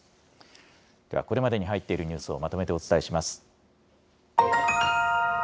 ではこれまでに入っているニュースをまとめてお伝えします。